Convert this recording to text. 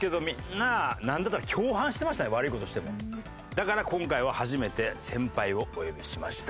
だから今回は初めて先輩をお呼びしました。